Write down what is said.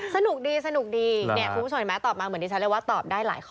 สนุกดีสนุกดีเนี่ยคุณผู้ชมเห็นไหมตอบมาเหมือนดิฉันเลยว่าตอบได้หลายข้อ